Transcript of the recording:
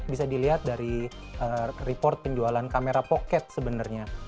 bisa dilihat dari report penjualan kamera pocket sebenarnya